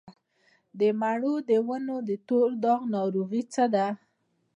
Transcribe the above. د مڼو د ونو د تور داغ ناروغي څه ده؟